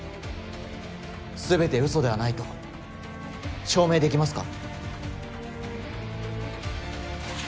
全て嘘ではないと証明できますか？